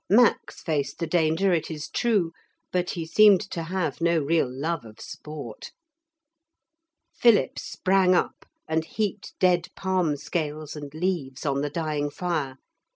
Max faced the danger, it is true, but he seemed to have no real love of sport. Philip sprang up and heaped dead palm scales and leaves on the dying fire.